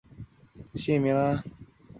宣美及朴轸永等明星亦到场支持。